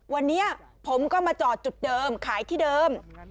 วันนี้ผมก็มาจอดจุดเดิมขายที่เดิม